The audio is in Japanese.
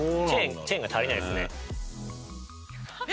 チェーンが足りないですね。